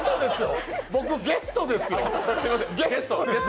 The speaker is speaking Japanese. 僕、ゲストですよ。